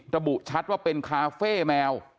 ระบุชัดว่าเป็นคาเฟ่แมว